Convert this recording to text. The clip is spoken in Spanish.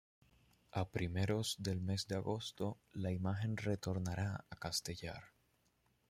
A primeros del mes de agosto la imagen retornará a Castellar.